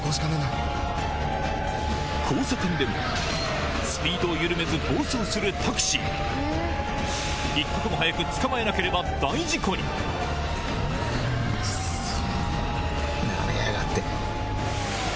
交差点でもスピードを緩めず暴走するタクシー一刻も早く捕まえなければくっそ！